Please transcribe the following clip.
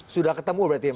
sudah ketemu berarti ya